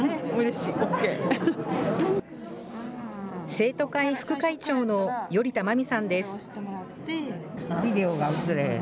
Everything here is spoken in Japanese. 生徒会副会長の依田真実さんです。